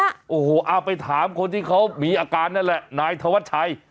โอ้โหเอาไปถามคนที่เขามีอาการนั่นแหละนายธวัชชัย